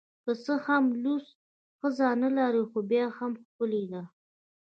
که څه هم لوڅه ښځه نلري خو بیا هم ښکلې ده